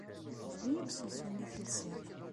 Yeɛjeb-iyi uselsu-nni ay telsid.